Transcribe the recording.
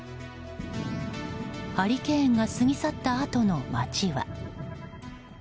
ハリケーンが過ぎ去ったあとの街は。